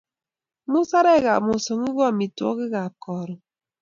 Musarekap mosongik ko amitwogikap karon